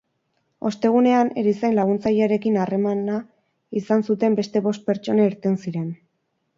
Ostegunean, erizain laguntzailearekin harremana izan zuten beste bost pertsona irten ziren.